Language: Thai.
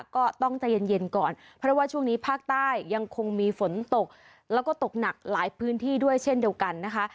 ก็ต้องใจเย็นก่อนเพราะว่าช่วงนี้ภาคใต้ยังคงมีฝนตกแล้วก็ตกหนักหลายพื้นที่ด้วยเช่นเดียวกันนะคะ